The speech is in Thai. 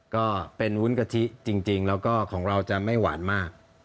ก็เป็นวุ้นกะทิจริงแล้วก็ของเราจะไม่หวานมาก